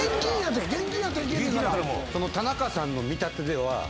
田中さんの見立てでは。